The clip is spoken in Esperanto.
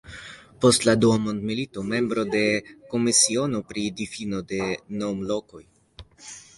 Post la dua mondmilito membro de Komisiono pri Difino de Nom-Lokoj.